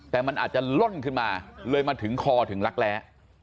แต่มันอาจจะล่นขึ้นมาเลยมาถึงคอถึงรักแร้